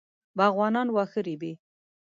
باغوانان واښه رېبي.